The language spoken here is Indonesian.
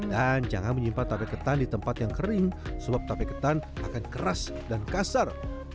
dan jangan menyimpan tape ketan di tempat yang kering sebab tape ketan akan keras dan kasar